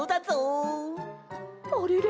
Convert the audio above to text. あれれ？